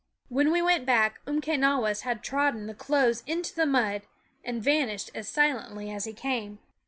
When we went back Umquenawis had trodden the clothes into the mud, and vanished as silently as he came.